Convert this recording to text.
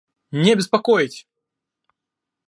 Не беспокоить!